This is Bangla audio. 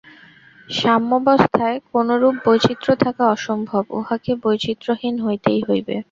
সাম্যাবস্থায় কোনরূপ বৈচিত্র্য থাকা অসম্ভব, উহাকে বৈচিত্র্যহীন হইতেই হইবে।